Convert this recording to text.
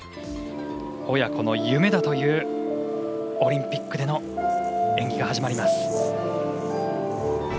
親子の夢だというオリンピックでの演技が始まります。